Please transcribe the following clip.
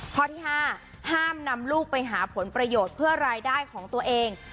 ข้อที่๕ห้ามนำลูกไปหาผลประโยชน์เพื่อรายได้ของตัวเอง